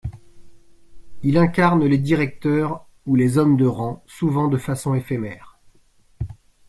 Il incarne les directeurs ou les hommes de rang, souvent de façon éphémère.